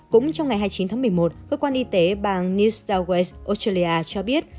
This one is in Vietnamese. cũng trong ngày hai mươi chín tháng một mươi một cơ quan y tế bang new south dawas australia cho biết